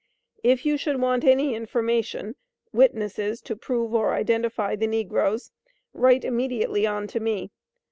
If you should want any information, witnesses to prove or indentify the negroes, write immediately on to me.